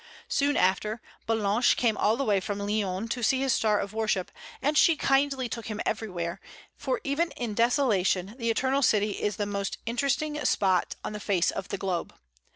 Soon after, Ballanche came all the way from Lyons to see his star of worship, and she kindly took him everywhere, for even in desolation the Eternal City is the most interesting spot on the face of the globe.